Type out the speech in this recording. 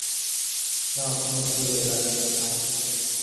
纳特兹维莱。